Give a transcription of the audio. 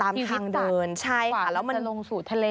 ตามทางเดินเขาเลยลงสู่ทะเล